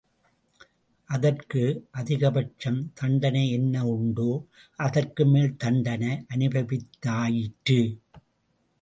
அதற்கு அதிகபட்சம் தண்டனை என்ன உண்டோ, அதற்கு மேல் தண்டனை அனுபவித்தாயிற்று.